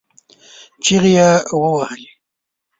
چغې يې ووهلې.